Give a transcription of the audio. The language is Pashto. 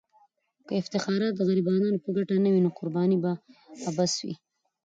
که افتخارات د غریبانو په ګټه نه وي، نو قرباني به عبث وي.